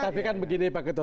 tapi kan begini pak ketut